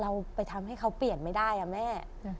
เราไปทำให้เขาเปลี่ยนไม่ได้อะแม่